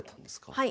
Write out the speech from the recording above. はい。